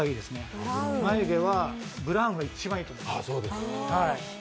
眉毛はブラウンが一番いいと思います。